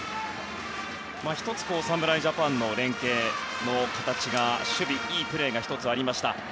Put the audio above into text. １つ、侍ジャパンの連係の形で守備、いいプレーが１つありました。